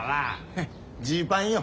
ヘッジーパンよ。